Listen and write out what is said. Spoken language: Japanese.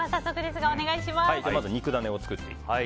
まず肉ダネを作っていきます。